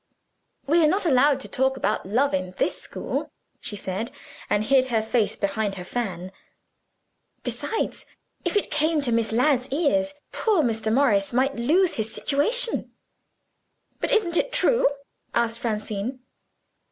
"We are not allowed to talk about love in this school," she said and hid her face behind her fan. "Besides, if it came to Miss Ladd's ears, poor Mr. Morris might lose his situation." "But isn't it true?" asked Francine.